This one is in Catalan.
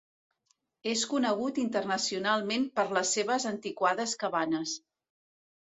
És conegut internacionalment per les seves antiquades cabanes.